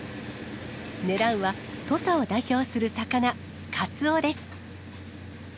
狙うは、土佐を代表する魚、カツオです。